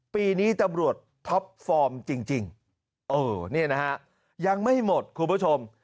ปีนี้ตำรวจท็อปฟอร์มจริงเออนี่นะฮะยังไม่หมดคุณผู้ชม